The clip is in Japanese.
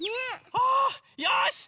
あよしっ！